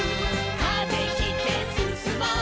「風切ってすすもう」